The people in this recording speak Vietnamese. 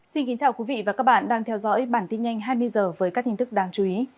xin kính chào quý vị và các bạn đang theo dõi bản tin nhanh hai mươi h với các tin tức đáng chú ý